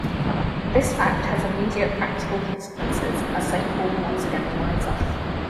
This fact has immediate practical consequences, as Saint Paul once again reminds us.